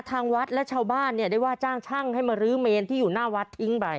ทางวัดและชาวบ้านเนี่ยได้ว่าจ้างช่างให้มารื้อเมนที่อยู่หน้าวัดทิ้งไป